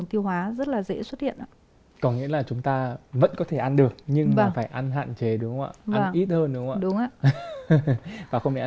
nhịt bánh kẹo nữa